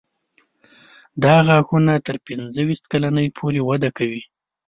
دا غاښونه تر پنځه ویشت کلنۍ پورې وده کوي.